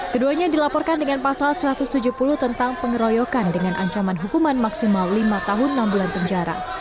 keduanya dilaporkan dengan pasal satu ratus tujuh puluh tentang pengeroyokan dengan ancaman hukuman maksimal lima tahun enam bulan penjara